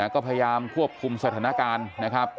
ก็พยายามควบคุมสถานการณ์นะครับ